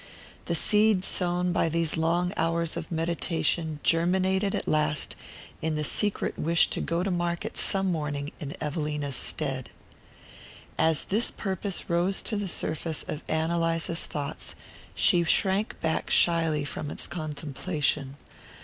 The seed sown by these long hours of meditation germinated at last in the secret wish to go to market some morning in Evelina's stead. As this purpose rose to the surface of Ann Eliza's thoughts she shrank back shyly from its contemplation.